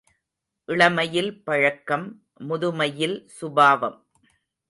இளமையில் பழக்கம் முதுமையில் சுபாவம்.